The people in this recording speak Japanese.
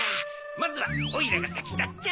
まずはオイラがさきだっちゃ！